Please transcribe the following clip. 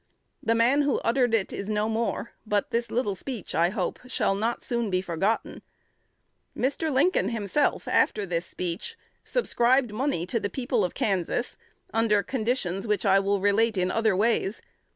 The man who uttered it is no more; but this little speech, I hope, shall not soon be forgotten. Mr. Lincoln himself, after this speech, subscribed money to the people of Kansas under conditions, which I will relate in other ways.